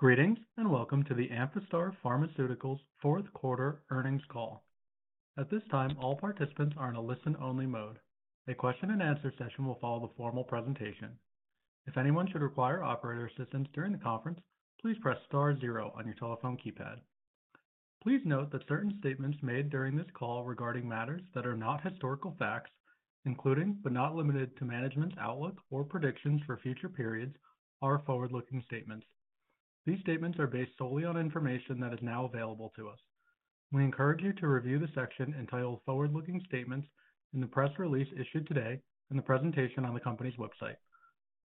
Greetings and welcome to the Amphastar Pharmaceuticals Fourth Quarter Earnings Call. At this time, all participants are in a listen-only mode. A question-and-answer session will follow the formal presentation. If anyone should require operator assistance during the conference, please press star zero on your telephone keypad. Please note that certain statements made during this call regarding matters that are not historical facts, including but not limited to management's outlook or predictions for future periods, are forward-looking statements. These statements are based solely on information that is now available to us. We encourage you to review the section entitled Forward-Looking Statements in the press release issued today and the presentation on the company's website.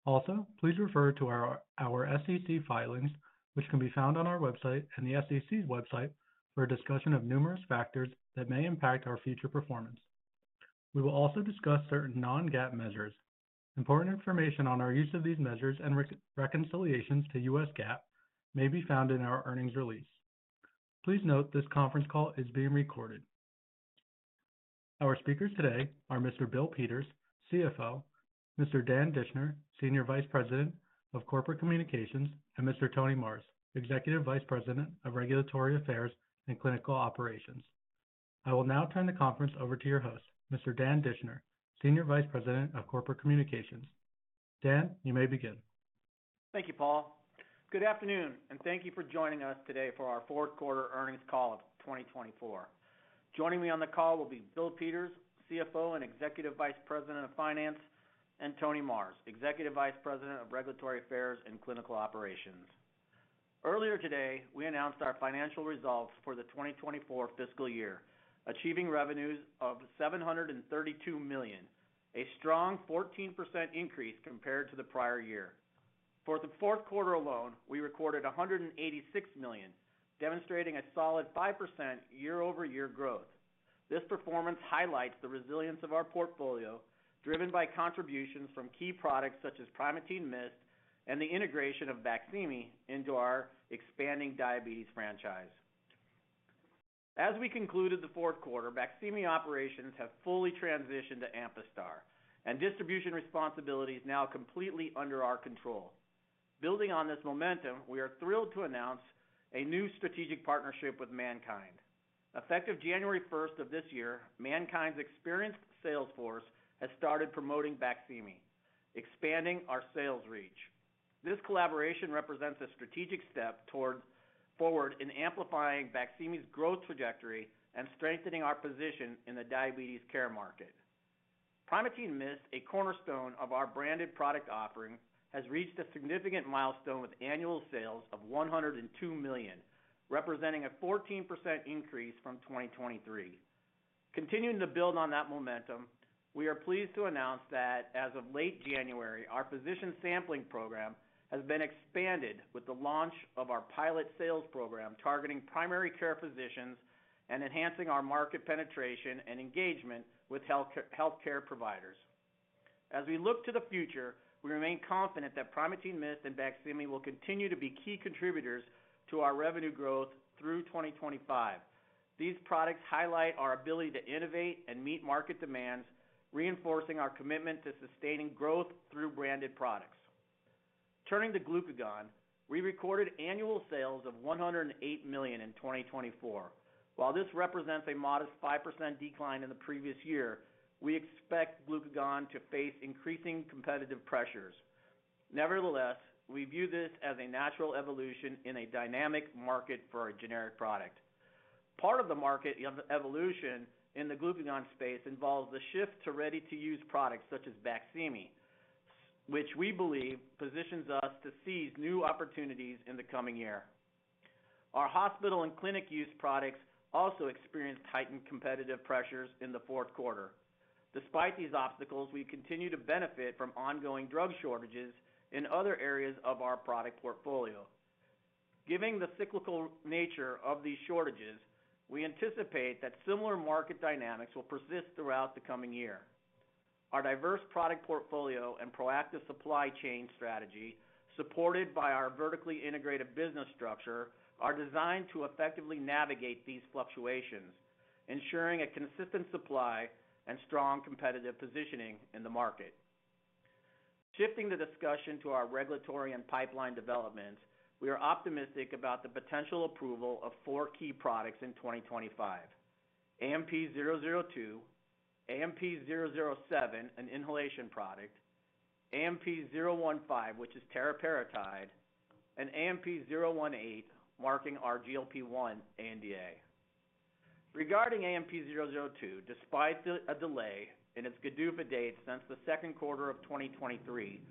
Also, please refer to our SEC filings, which can be found on our website and the SEC's website for a discussion of numerous factors that may impact our future performance. We will also discuss certain non-GAAP measures. Important information on our use of these measures and reconciliations to US GAAP may be found in our earnings release. Please note this conference call is being recorded. Our speakers today are Mr. Bill Peters, CFO, Mr. Dan Dischner, Senior Vice President of Corporate Communications, and Mr. Tony Marrs, Executive Vice President of Regulatory Affairs and Clinical Operations. I will now turn the conference over to your host, Mr. Dan Dischner, Senior Vice President of Corporate Communications. Dan, you may begin. Thank you, Paul. Good afternoon, and thank you for joining us today for our Fourth Quarter Earnings Call of 2024. Joining me on the call will be Bill Peters, CFO and Executive Vice President of Finance, and Tony Marrs, Executive Vice President of Regulatory Affairs and Clinical Operations. Earlier today, we announced our financial results for the 2024 fiscal year, achieving revenues of $732 million, a strong 14% increase compared to the prior year. For the fourth quarter alone, we recorded $186 million, demonstrating a solid 5% year-over-year growth. This performance highlights the resilience of our portfolio, driven by contributions from key products such as Primatene MIST and the integration of BAQSIMI into our expanding diabetes franchise. As we concluded the fourth quarter, BAQSIMI operations have fully transitioned to Amphastar, and distribution responsibility is now completely under our control. Building on this momentum, we are thrilled to announce a new strategic partnership with MannKind. Effective January 1st of this year, MannKind's experienced sales force has started promoting BAQSIMI, expanding our sales reach. This collaboration represents a strategic step forward in amplifying BAQSIMI's growth trajectory and strengthening our position in the diabetes care market. Primatene MIST, a cornerstone of our branded product offering, has reached a significant milestone with annual sales of $102 million, representing a 14% increase from 2023. Continuing to build on that momentum, we are pleased to announce that, as of late January, our physician sampling program has been expanded with the launch of our pilot sales program targeting primary care physicians and enhancing our market penetration and engagement with healthcare providers. As we look to the future, we remain confident that Primatene MIST and BAQSIMI will continue to be key contributors to our revenue growth through 2025. These products highlight our ability to innovate and meet market demands, reinforcing our commitment to sustaining growth through branded products. Turning to Glucagon, we recorded annual sales of $108 million in 2024. While this represents a modest 5% decline in the previous year, we expect Glucagon to face increasing competitive pressures. Nevertheless, we view this as a natural evolution in a dynamic market for a generic product. Part of the market evolution in the Glucagon space involves the shift to ready-to-use products such as BAQSIMI, which we believe positions us to seize new opportunities in the coming year. Our hospital and clinic use products also experienced heightened competitive pressures in the fourth quarter. Despite these obstacles, we continue to benefit from ongoing drug shortages in other areas of our product portfolio. Given the cyclical nature of these shortages, we anticipate that similar market dynamics will persist throughout the coming year. Our diverse product portfolio and proactive supply chain strategy, supported by our vertically integrated business structure, are designed to effectively navigate these fluctuations, ensuring a consistent supply and strong competitive positioning in the market. Shifting the discussion to our regulatory and pipeline developments, we are optimistic about the potential approval of four key products in 2025: AMP-002, AMP-007, an inhalation product; AMP-015, which is teriparatide; and AMP-018, marking our GLP-1 ANDA. Regarding AMP-002, despite a delay in its PDUFA date since the second quarter of 2023,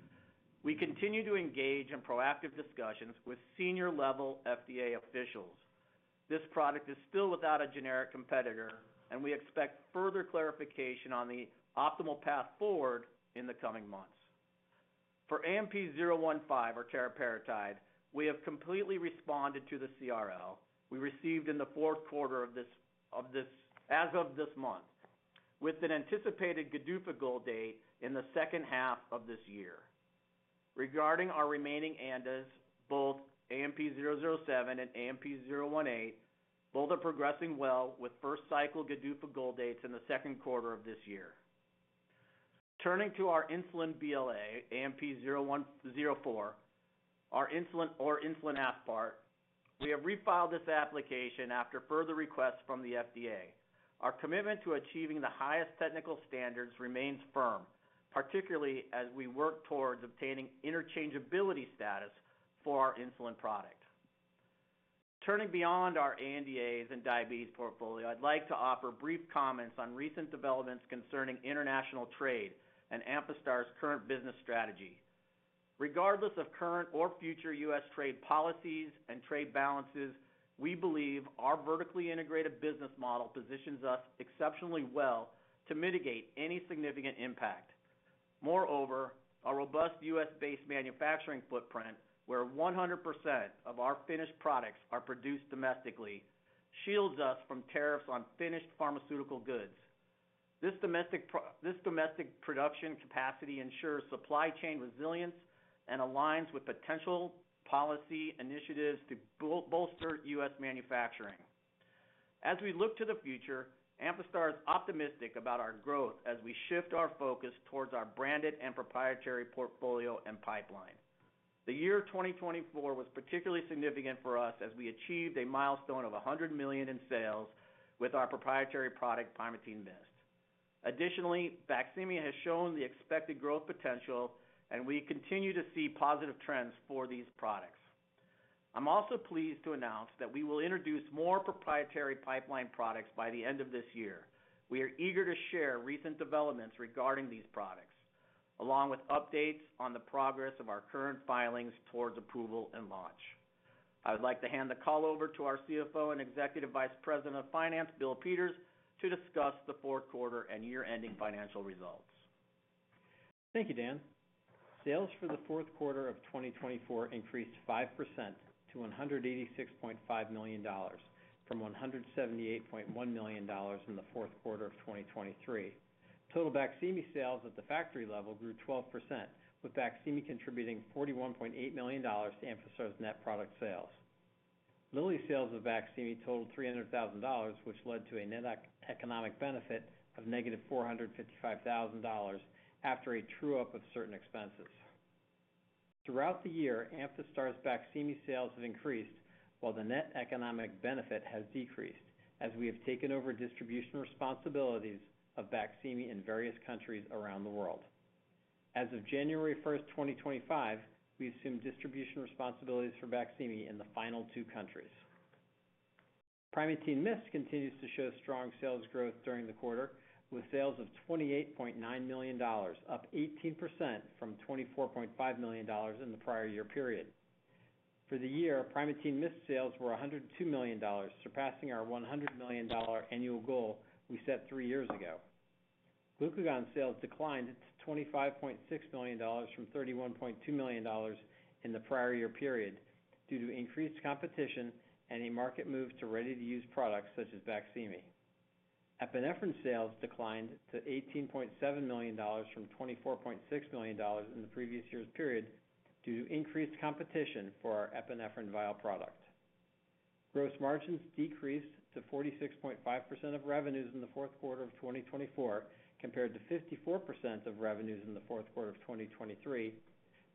we continue to engage in proactive discussions with senior-level FDA officials. This product is still without a generic competitor, and we expect further clarification on the optimal path forward in the coming months. For AMP-015, or teriparatide, we have completely responded to the CRL we received in the fourth quarter of this month, with an anticipated PDUFA goal date in the second half of this year. Regarding our remaining ANDAs, both AMP-007 and AMP-018, both are progressing well with first cycle PDUFA goal dates in the second quarter of this year. Turning to our insulin BLA, AMP-0104, or insulin aspart, we have refiled this application after further requests from the FDA. Our commitment to achieving the highest technical standards remains firm, particularly as we work towards obtaining interchangeability status for our insulin product. Turning beyond our ANDAs and diabetes portfolio, I'd like to offer brief comments on recent developments concerning international trade and Amphastar's current business strategy. Regardless of current or future U.S. trade policies and trade balances, we believe our vertically integrated business model positions us exceptionally well to mitigate any significant impact. Moreover, our robust U.S.-based manufacturing footprint, where 100% of our finished products are produced domestically, shields us from tariffs on finished pharmaceutical goods. This domestic production capacity ensures supply chain resilience and aligns with potential policy initiatives to bolster U.S. manufacturing. As we look to the future, Amphastar is optimistic about our growth as we shift our focus towards our branded and proprietary portfolio and pipeline. The year 2024 was particularly significant for us as we achieved a milestone of $100 million in sales with our proprietary product, Primatene MIST. Additionally, BAQSIMI has shown the expected growth potential, and we continue to see positive trends for these products. I'm also pleased to announce that we will introduce more proprietary pipeline products by the end of this year. We are eager to share recent developments regarding these products, along with updates on the progress of our current filings towards approval and launch. I would like to hand the call over to our CFO and Executive Vice President of Finance, Bill Peters, to discuss the fourth quarter and year-ending financial results. Thank you, Dan. Sales for the fourth quarter of 2024 increased 5% to $186.5 million, from $178.1 million in the fourth quarter of 2023. Total BAQSIMI sales at the factory level grew 12%, with BAQSIMI contributing $41.8 million to Amphastar's net product sales. Lilly sales of BAQSIMI totaled $300,000, which led to a net economic benefit of -$455,000 after a true-up of certain expenses. Throughout the year, Amphastar's BAQSIMI sales have increased, while the net economic benefit has decreased as we have taken over distribution responsibilities of BAQSIMI in various countries around the world. As of January 1st, 2025, we assume distribution responsibilities for BAQSIMI in the final two countries. Primatene MIST continues to show strong sales growth during the quarter, with sales of $28.9 million, up 18% from $24.5 million in the prior year period. For the year, Primatene MIST sales were $102 million, surpassing our $100 million annual goal we set three years ago. Glucagon sales declined to $25.6 million from $31.2 million in the prior year period due to increased competition and a market move to ready-to-use products such as BAQSIMI. Epinephrine sales declined to $18.7 million from $24.6 million in the previous year's period due to increased competition for our epinephrine vial product. Gross margins decreased to 46.5% of revenues in the fourth quarter of 2024, compared to 54% of revenues in the fourth quarter of 2023,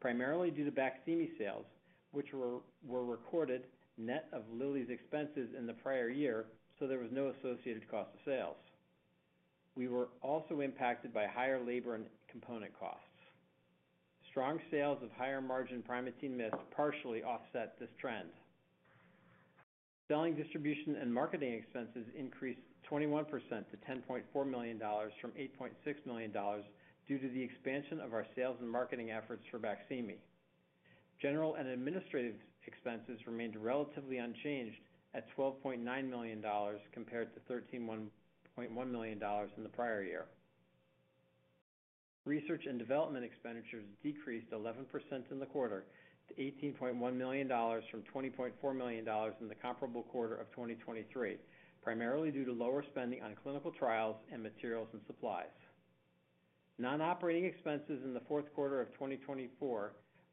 primarily due to BAQSIMI sales, which were recorded net of Lilly's expenses in the prior year, so there was no associated cost of sales. We were also impacted by higher labor and component costs. Strong sales of higher-margin Primatene MIST partially offset this trend. Selling, distribution, and marketing expenses increased 21% to $10.4 million from $8.6 million due to the expansion of our sales and marketing efforts for BAQSIMI. General and administrative expenses remained relatively unchanged at $12.9 million compared to $13.1 million in the prior year. Research and development expenditures decreased 11% in the quarter to $18.1 million from $20.4 million in the comparable quarter of 2023, primarily due to lower spending on clinical trials and materials and supplies. Non-operating expenses in the fourth quarter of 2024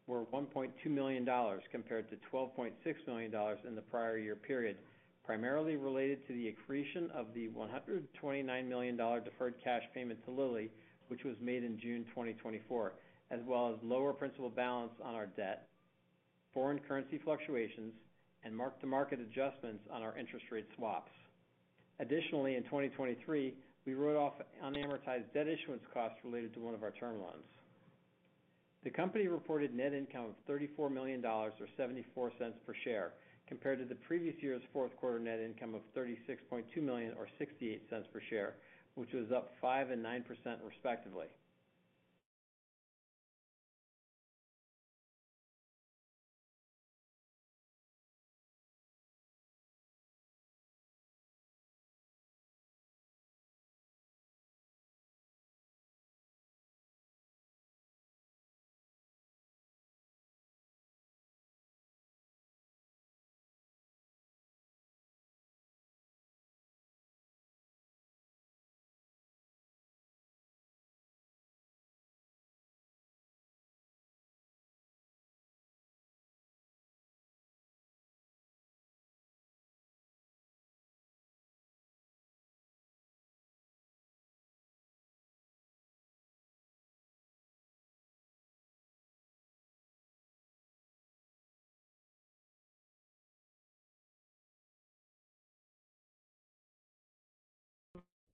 were $1.2 million compared to $12.6 million in the prior year period, primarily related to the accretion of the $129 million deferred cash payment to Lilly, which was made in June 2024, as well as lower principal balance on our debt, foreign currency fluctuations, and mark-to-market adjustments on our interest rate swaps. Additionally, in 2023, we wrote off unamortized debt issuance costs related to one of our term loans. The company reported net income of $34 million, or $0.74 per share, compared to the previous year's fourth quarter net income of $36.2 million, or $0.68 per share, which was up 5% and 9% respectively.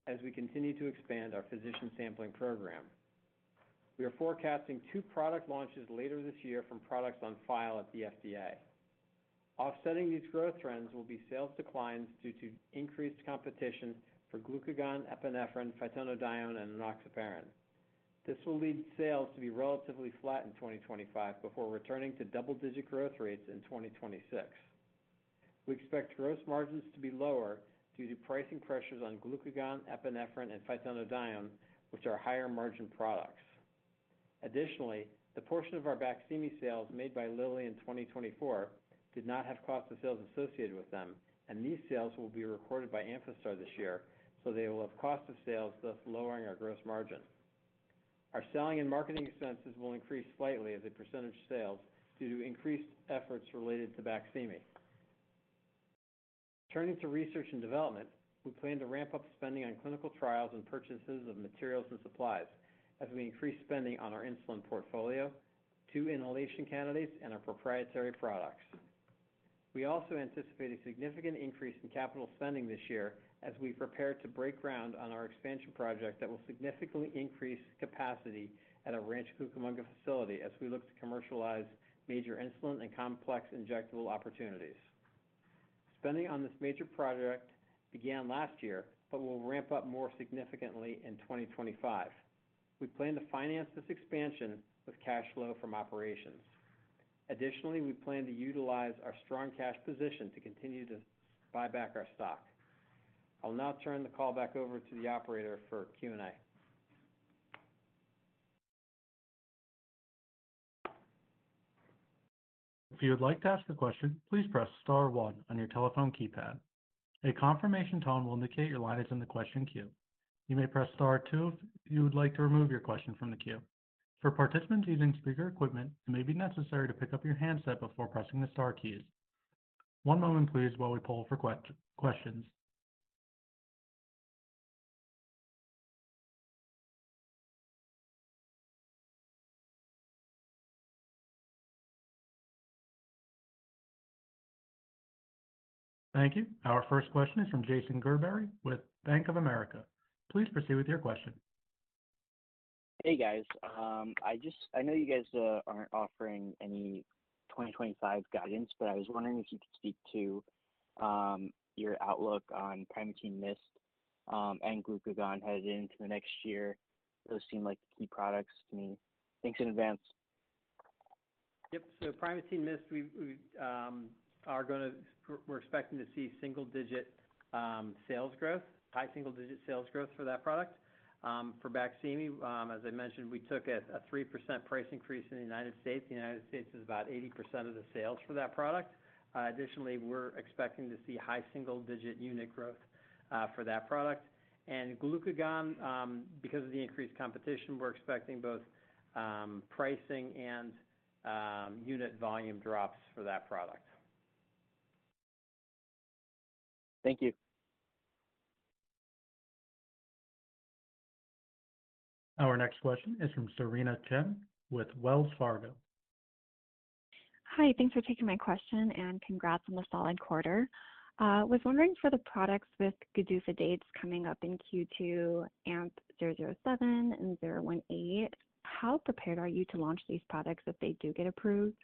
As we continue to expand our physician sampling program, we are forecasting two product launches later this year from products on file at the FDA. Offsetting these growth trends will be sales declines due to increased competition for glucagon, epinephrine, phytonadione, and enoxaparin. This will lead sales to be relatively flat in 2025 before returning to double-digit growth rates in 2026. We expect gross margins to be lower due to pricing pressures on glucagon, epinephrine, and phytonadione, which are higher-margin products. Additionally, the portion of our BAQSIMI sales made by Lilly in 2024 did not have cost of sales associated with them, and these sales will be recorded by Amphastar this year, so they will have cost of sales, thus lowering our gross margin. Our selling and marketing expenses will increase slightly as a percentage of sales due to increased efforts related to BAQSIMI. Turning to research and development, we plan to ramp up spending on clinical trials and purchases of materials and supplies as we increase spending on our insulin portfolio, two inhalation candidates, and our proprietary products. We also anticipate a significant increase in capital spending this year as we prepare to break ground on our expansion project that will significantly increase capacity at our Rancho Cucamonga facility as we look to commercialize major insulin and complex injectable opportunities. Spending on this major project began last year but will ramp up more significantly in 2025. We plan to finance this expansion with cash flow from operations. Additionally, we plan to utilize our strong cash position to continue to buy back our stock. I'll now turn the call back over to the operator for Q&A. If you would like to ask a question, please press Star one on your telephone keypad. A confirmation tone will indicate your line is in the question queue. You may press Star two if you would like to remove your question from the queue. For participants using speaker equipment, it may be necessary to pick up your handset before pressing the Star keys. One moment, please, while we poll for questions. Thank you. Our first question is from Jason Gerberry with Bank of America. Please proceed with your question. Hey, guys. I know you guys aren't offering any 2025 guidance, but I was wondering if you could speak to your outlook on Primatene MIST and Glucagon headed into the next year. Those seem like key products to me. Thanks in advance. Yep. Primatene MIST, we're expecting to see single-digit sales growth, high single-digit sales growth for that product. For BAQSIMI, as I mentioned, we took a 3% price increase in the United States. The United States is about 80% of the sales for that product. Additionally, we're expecting to see high single-digit unit growth for that product. And Glucagon, because of the increased competition, we're expecting both pricing and unit volume drops for that product. Thank you. Our next question is from Cerena Chen with Wells Fargo. Hi. Thanks for taking my question and congrats on the solid quarter. I was wondering for the products with PDUFA dates coming up in Q2, AMP-007 and AMP-018, how prepared are you to launch these products if they do get approved?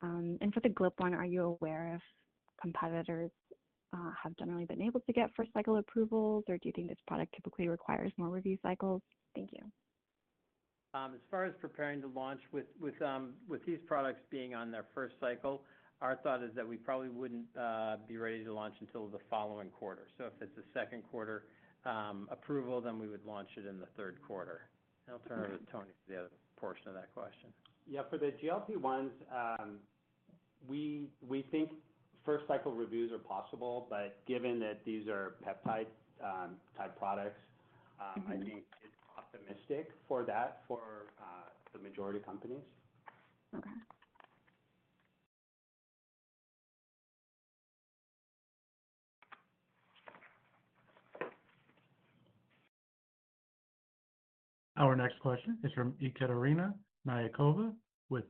For the GLP-1, are you aware if competitors have generally been able to get first-cycle approvals, or do you think this product typically requires more review cycles? Thank you. As far as preparing to launch, with these products being on their first cycle, our thought is that we probably wouldn't be ready to launch until the following quarter. If it's a second quarter approval, then we would launch it in the third quarter. I'll turn it over to Tony for the other portion of that question. Yeah. For the GLP-1s, we think first-cycle reviews are possible, but given that these are peptide-type products, I think it's optimistic for that for the majority of companies. Okay. Our next question is from Ekaterina Knyazkova with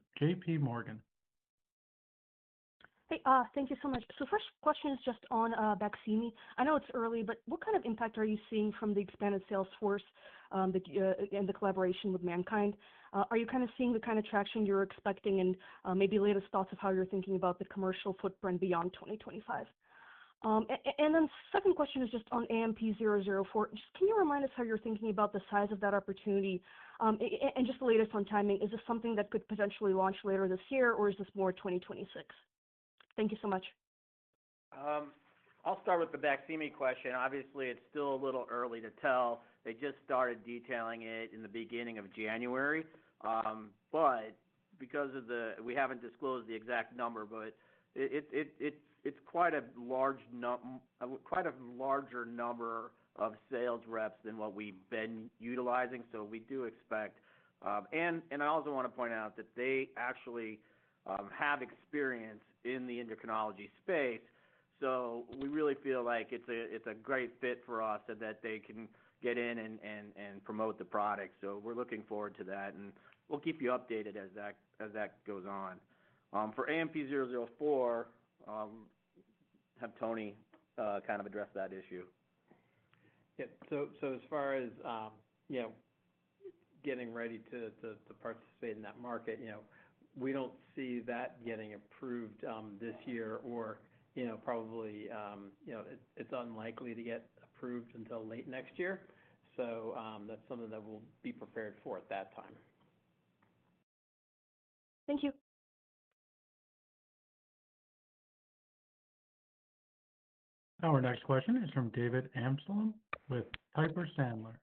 JPMorgan. Thank you so much. First question is just on BAQSIMI. I know it's early, but what kind of impact are you seeing from the expanded Salesforce and the collaboration with MannKind? Are you kind of seeing the kind of traction you're expecting and maybe latest thoughts of how you're thinking about the commercial footprint beyond 2025? Second question is just on AMP-004. Can you remind us how you're thinking about the size of that opportunity? Just the latest on timing, is this something that could potentially launch later this year, or is this more 2026? Thank you so much. I'll start with the BAQSIMI question. Obviously, it's still a little early to tell. They just started detailing it in the beginning of January. Because of the—we haven't disclosed the exact number, but it's quite a larger number of sales reps than what we've been utilizing, so we do expect. I also want to point out that they actually have experience in the endocrinology space, so we really feel like it's a great fit for us and that they can get in and promote the product. We are looking forward to that, and we'll keep you updated as that goes on. For AMP-004, have Tony kind of address that issue. Yeah. As far as getting ready to participate in that market, we don't see that getting approved this year or probably it's unlikely to get approved until late next year. That's something that we'll be prepared for at that time. Thank you. Our next question is from David Amsellem with Piper Sandler.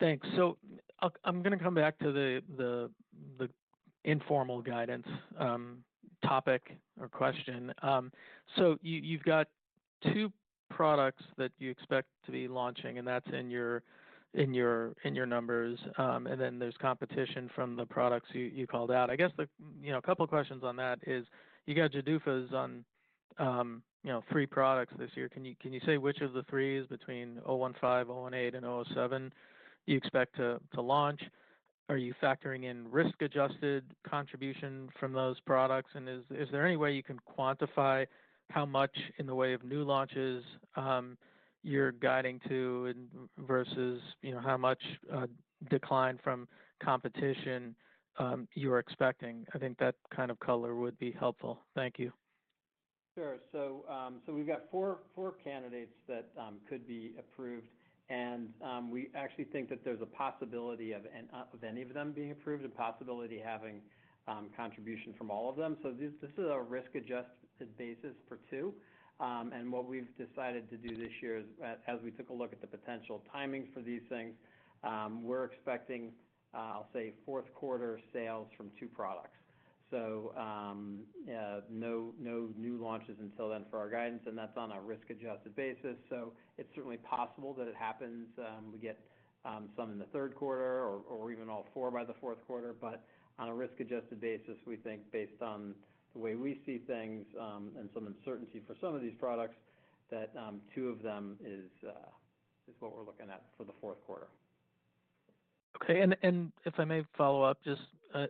Thanks. I'm going to come back to the informal guidance topic or question. You've got two products that you expect to be launching, and that's in your numbers, and then there's competition from the products you called out. I guess a couple of questions on that is you got PDUFAs on three products this year. Can you say which of the three between 015, 018, and 007 you expect to launch? Are you factoring in risk-adjusted contribution from those products? Is there any way you can quantify how much in the way of new launches you're guiding to versus how much decline from competition you're expecting? I think that kind of color would be helpful. Thank you. Sure. We have four candidates that could be approved, and we actually think that there's a possibility of any of them being approved, a possibility of having contribution from all of them. This is a risk-adjusted basis for two. What we've decided to do this year is, as we took a look at the potential timings for these things, we're expecting, I'll say, fourth-quarter sales from two products. No new launches until then for our guidance, and that's on a risk-adjusted basis. It is certainly possible that it happens. We get some in the third quarter or even all four by the fourth quarter. On a risk-adjusted basis, we think, based on the way we see things and some uncertainty for some of these products, that two of them is what we're looking at for the fourth quarter. Okay. If I may follow up, just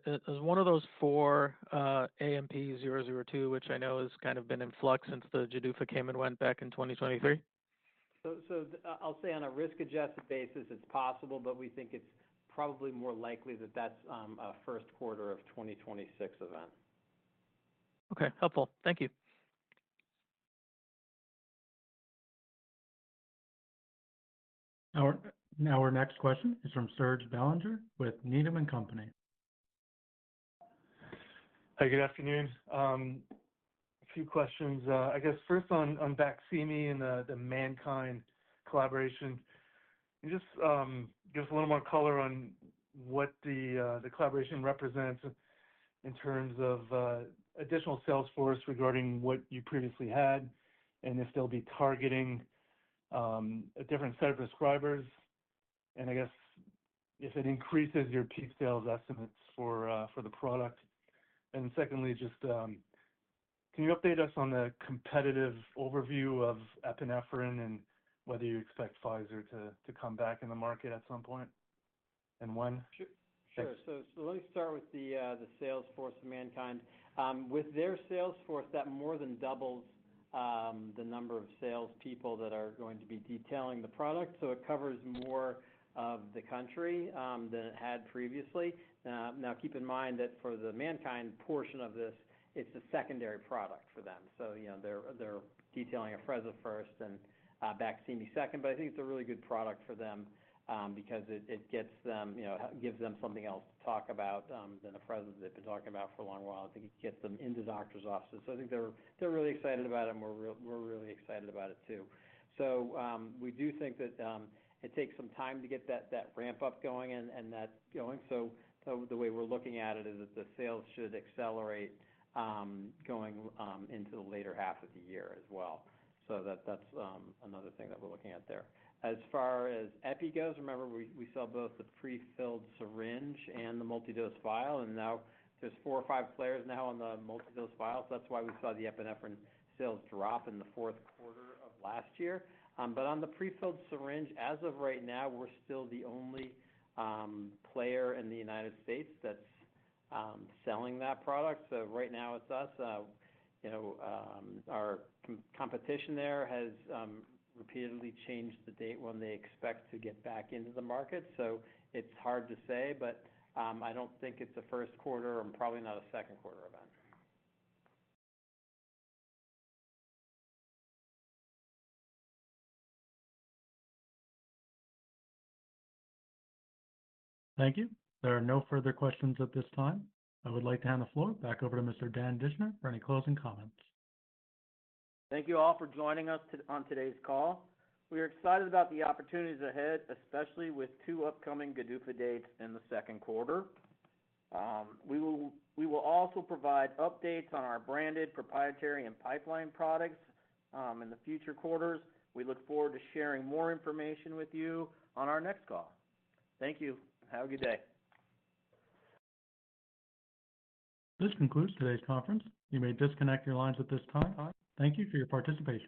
is one of those four AMP-002, which I know has kind of been in flux since the PDUFA came and went back in 2023? I'll say on a risk-adjusted basis, it's possible, but we think it's probably more likely that that's a first quarter of 2026 event. Okay. Helpful. Thank you. Our next question is from Serge Belanger with Needham & Company. Hi, good afternoon. A few questions. I guess first on BAQSIMI and the MannKind collaboration. Just give us a little more color on what the collaboration represents in terms of additional Salesforce regarding what you previously had and if they'll be targeting a different set of prescribers. I guess if it increases your peak sales estimates for the product. Secondly, just can you update us on the competitive overview of epinephrine and whether you expect Pfizer to come back in the market at some point and when? Sure. Let me start with the Salesforce of MannKind. With their Salesforce, that more than doubles the number of salespeople that are going to be detailing the product. It covers more of the country than it had previously. Now, keep in mind that for the MannKind portion of this, it's a secondary product for them. They're detailing Afrezza first and BAQSIMI second, but I think it's a really good product for them because it gives them something else to talk about than Afrezza that they've been talking about for a long while. I think it gets them into doctors' offices. I think they're really excited about it, and we're really excited about it too. We do think that it takes some time to get that ramp-up going. The way we're looking at it is that the sales should accelerate going into the later half of the year as well. That's another thing that we're looking at there. As far as Epi goes, remember, we sell both the prefilled syringe and the multidose vial, and now there are four or five players now on the multidose vial. That's why we saw the epinephrine sales drop in the fourth quarter of last year. On the prefilled syringe, as of right now, we're still the only player in the United States that's selling that product. Right now, it's us. Our competition there has repeatedly changed the date when they expect to get back into the market. It's hard to say, but I don't think it's a first quarter and probably not a second quarter event. Thank you. There are no further questions at this time. I would like to hand the floor back over to Mr. Dan Dischner for any closing comments. Thank you all for joining us on today's call. We are excited about the opportunities ahead, especially with two upcoming PDUFA dates in the second quarter. We will also provide updates on our branded proprietary and pipeline products in the future quarters. We look forward to sharing more information with you on our next call. Thank you. Have a good day. This concludes today's conference. You may disconnect your lines at this time. Thank you for your participation.